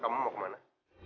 kamu mau kemana